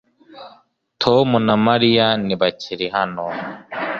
Tom na Mariya ntibakiri hano